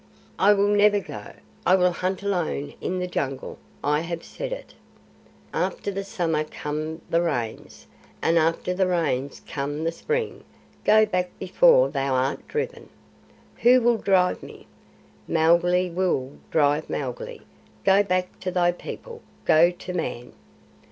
"I will never go. I will hunt alone in the Jungle. I have said it." "After the summer come the Rains, and after the Rains comes the spring. Go back before thou art driven." "Who will drive me?" "Mowgli will drive Mowgli. Go back to thy people. Go to Man."